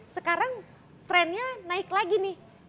sekarang trennya naik lagi nih